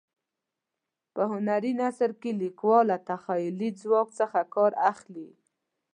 په هنري نثر کې لیکوال له تخیلي ځواک څخه کار اخلي.